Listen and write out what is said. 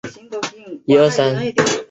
南边与库雅雷克接壤。